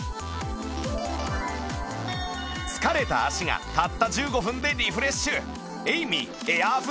疲れた足がたった１５分でリフレッシュ